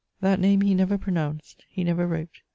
That name he never pronounced, he never wrote.